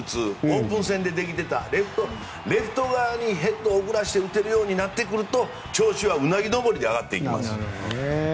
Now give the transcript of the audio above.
オープン戦でできていたレフト側に打てるようになってくると調子はうなぎ登りに上がっていきます。